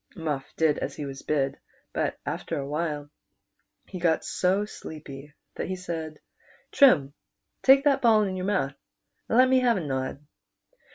Muff did as he was bid ; but after a while he got so sleepy that he said, "Trim, take that ball in your mouth, and let me have a nod."